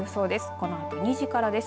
このあと２時からです。